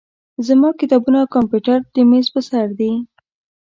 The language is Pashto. زما کتابونه او کمپیوټر د میز په سر دي.